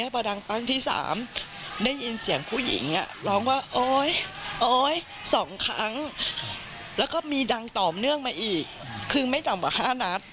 พอดังปั้งที่๓ได้ยินเสียงผู้หญิงร้องว่าโอ๊ยโอ๊ย๒ครั้งแล้วก็มีดังต่อเนื่องมาอีกคือไม่ต่ำกว่า๕นัด